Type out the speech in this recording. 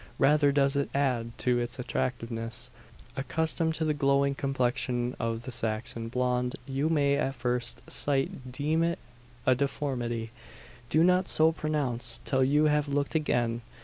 Rather does it add to its attractiveness. Accustomed to the glowing complexion of the Saxon blonde, you may at first sight deem it a deformity. Do not so pronounce, till you have looked again.